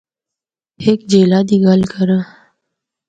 ہک جِھیلا دی گل کراں۔